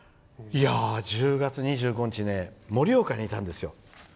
１０月２５日は盛岡にいたんですよ。